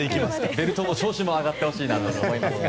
ベルトも調子も上がってほしいなと思いますが。